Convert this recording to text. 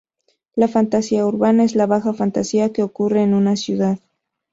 La fantasía urbana es la baja fantasía que ocurre en una ciudad.